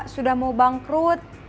sudah mau bangkrut